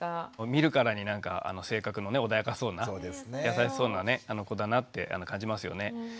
見るからになんか性格の穏やかそうな優しそうな子だなって感じますよね。